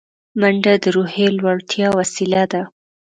منډه د روحیې لوړتیا وسیله ده